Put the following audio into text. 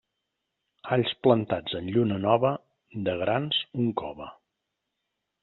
Alls plantats en lluna nova, de grans un cove.